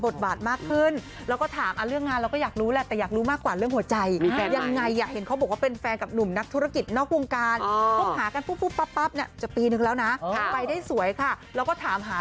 แต่เพียงแค่ว่าเราคอยผ่าไผ่มากกว่าเป็นยังไงทำอะไร